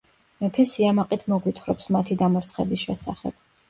მეფე სიამაყით მოგვითხრობს მათი დამარცხების შესახებ.